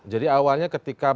jadi awalnya ketika ditangkap